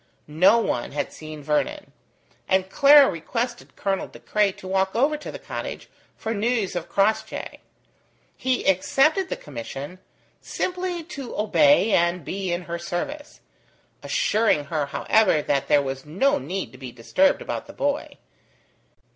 No one had seen Vernon, and Clara requested Colonel De Craye to walk over to the cottage for news of Crossjay. He accepted the commission, simply to obey and be in her service: assuring her, however, that there was no need to be disturbed about the boy.